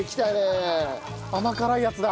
甘辛いやつだ。